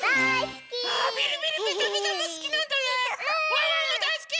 ワンワンもだいすき！